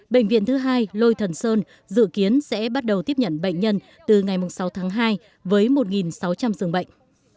bệnh viện thứ hai lôi thần sơn dự kiến sẽ bắt đầu tiếp nhận bệnh nhân từ ngày sáu tháng hai với một sáu trăm linh dường bệnh